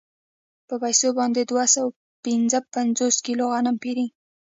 په پیسو باندې دوه سوه پنځه پنځوس کیلو غنم پېري